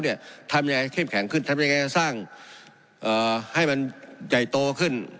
ทำยังไงเข้มแข็งขึ้นทำยังไงจะสร้างให้มันใหญ่โตขึ้น